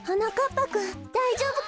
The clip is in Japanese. ぱくんだいじょうぶかしら？